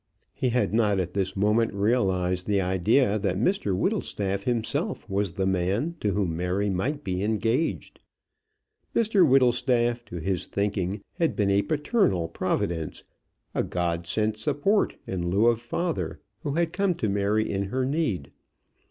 He had not at this moment realised the idea that Mr Whittlestaff himself was the man to whom Mary might be engaged. Mr Whittlestaff to his thinking had been a paternal providence, a God sent support in lieu of father, who had come to Mary in her need.